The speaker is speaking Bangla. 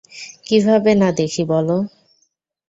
কিভাবে না দেখি বল?